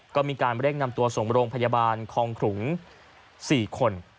ก็มีการเร่งนำตัวส่งโรงพยาบาลคองขลุง๔คน